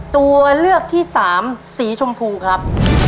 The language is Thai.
ตัวเลือกที่สามสีชมพูครับ